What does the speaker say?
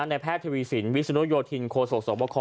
แพทย์ทวีสินวิศนุโยธินโคศกสวบค